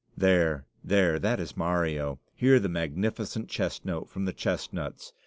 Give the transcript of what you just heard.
There, there, that is Mario. Hear that magnificent chest note from the chestnuts!